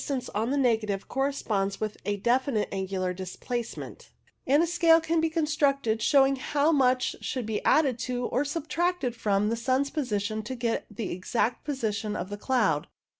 Now, a certain distance on the negative corresponds with a definite angular displacement, and a scale can be constructed show ing how much should be added to or subtracted from the sun's position to get the exact position of the cloud.